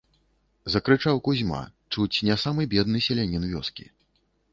- закрычаў Кузьма, чуць не самы бедны селянiн вёскi.